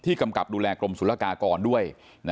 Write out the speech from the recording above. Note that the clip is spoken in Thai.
กำกับดูแลกรมศุลกากรด้วย